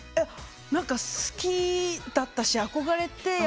好きだったし憧れて。